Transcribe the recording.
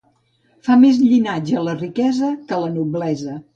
Fa més llinatge la riquesa que la noblesa.